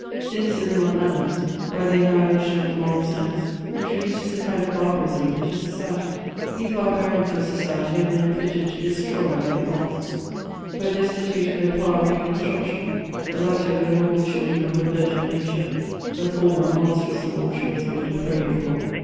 Cynicism of manners, by the* annihilation of the 216 MEMOIRS OF moral sense, introduces a kind of barbarism into society. These barbarians of society are men fitted to destroy like the Goths, but destitute of their power of reconstruction; the latter were enormous children of a virgin nature ; the former monstrous abortions of a depraved one.